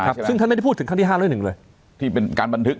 ซึ่งท่านไม่ได้พูดถึงครั้งที่ห้าร้อยหนึ่งเลยที่เป็นการบันทึก